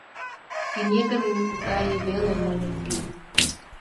Пинегын гае веле мыйын вий!